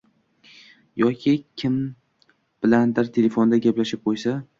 yoki kim bilandir telefonda gaplashib qo‘ysa